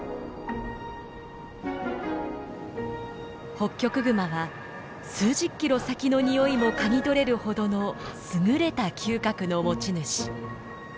ホッキョクグマは数十キロ先のにおいも嗅ぎ取れるほどの優れた嗅覚の持ち主。